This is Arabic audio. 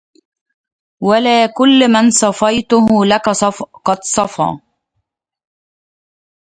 وَلا كُلُّ مَن صافَيتَهُ لَكَ قَد صَفا